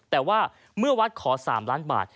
แต่ว่าเมื่อวัดขอ๓ล้านบาท